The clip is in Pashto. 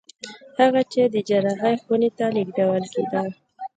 هغه چې د جراحي خونې ته لېږدول کېده